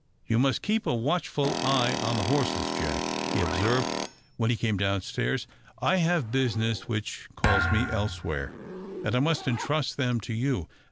"You must keep a watchful eye on the horses, Jack," he observed, when he came down stairs. "I have business which calls me elsewhere, and I must entrust them to you.